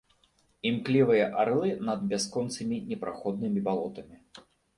Імклівыя арлы над бясконцымі непраходнымі балотамі.